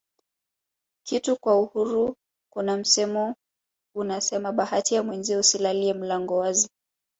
kitu kwa uhuru Kuna msemo unasema bahati ya mwenzio usilalie mlango wazi